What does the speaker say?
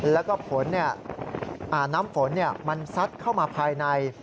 แล้วก็ผลน้ำฝนมันซัดเข้ามาภายใน